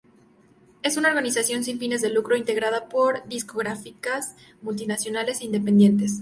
Es una organización sin fines de lucro integrada por discográficas multinacionales e independientes.